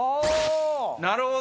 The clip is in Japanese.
なるほど。